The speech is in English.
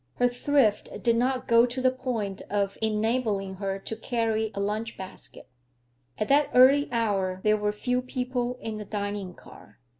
Her thrift did not go to the point of enabling her to carry a lunchbasket. At that early hour there were few people in the dining car.